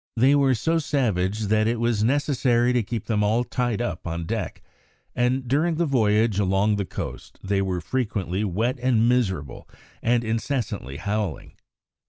They were so savage that it was necessary to keep them all tied up on deck, and during the voyage along the coast they were frequently wet and miserable, and incessantly howling.